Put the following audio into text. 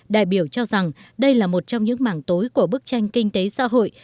đại biểu cho rằng đây là một trong những mảng tối của bức tranh kinh tế xã hội